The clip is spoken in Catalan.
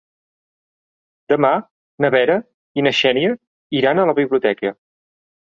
Demà na Vera i na Xènia iran a la biblioteca.